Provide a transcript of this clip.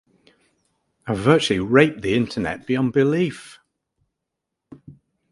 I've virtually raped the Internet beyond belief.